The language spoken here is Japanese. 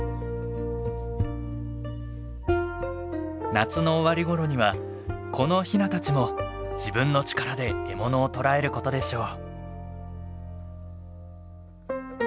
夏の終わり頃にはこのヒナたちも自分の力で獲物を捕らえることでしょう。